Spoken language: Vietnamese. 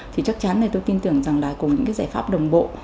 thì chắc chắn là tôi tin tưởng rằng là cùng những cái giải pháp đồng bộ